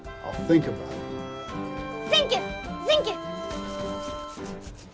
センキューセンキュー。